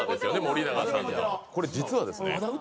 これ実はですね